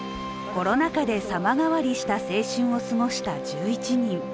コロナ禍で様変わりした青春を過ごした１１人。